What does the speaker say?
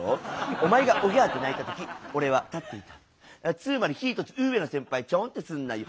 お前がオギャーと泣いた時俺は立っていたあつまり１つ上の先輩ちょんってすなよ